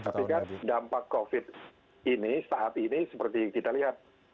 tapi kan dampak covid ini saat ini seperti kita lihat